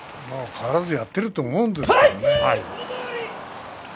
変わらずやっていると思うんですけれどもね。